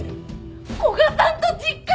古賀さんと実家に！？